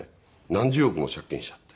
何十億も借金しちゃって。